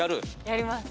やります。